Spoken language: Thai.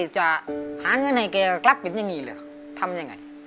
จะหาเงินให้แกเป็นเงี้ยงี้เร็ว